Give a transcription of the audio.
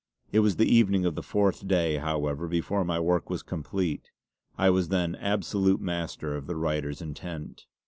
It was the evening of the fourth day, however, before my work was complete. I was then absolute master of the writer's intent.